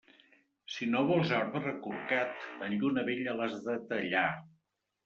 Si no vols arbre corcat, en lluna vella l'has de tallar.